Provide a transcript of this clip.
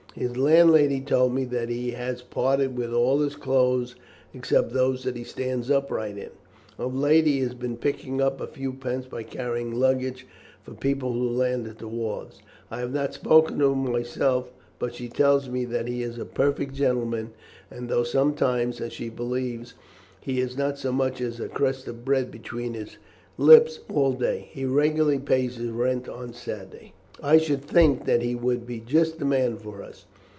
His landlady told me that he has parted with all his clothes except those that he stands upright in. Of late he has been picking up a few pence by carrying luggage for people who land at the wharves. I have not spoken to him myself, but she tells me that he is a perfect gentleman, and though sometimes, as she believes, he has not so much as a crust of bread between his lips all day, he regularly pays his rent of a Saturday." "I should think that he would be just the man for us.